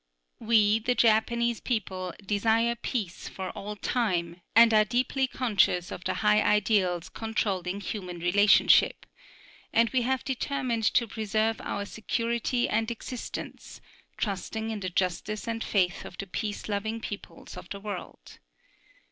We, the Japanese people, desire peace for all time and are deeply conscious of the high ideals controlling human relationship, and we have determined to preserve our security and existence, trusting in the justice and faith of the peace loving peoples of the world.